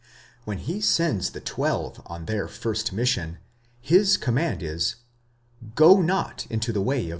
When he sends the twelve on their first mission, his command is, Go mot into the way 15 Comp.